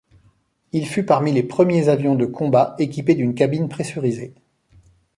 Il fut parmi les premiers avions de combats équipés d'une cabine pressurisée.